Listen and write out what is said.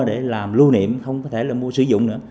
để làm lưu niệm không có thể là mua sử dụng nữa